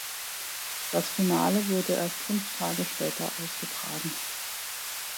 Das Finale wurde erst fünf Tage später ausgetragen.